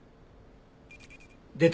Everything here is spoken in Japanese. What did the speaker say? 出た。